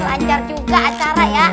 lancar juga acara ya